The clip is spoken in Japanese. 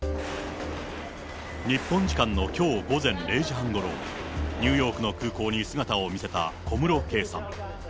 日本時間のきょう午前０時半ごろ、ニューヨークの空港に姿を見せた小室圭さん。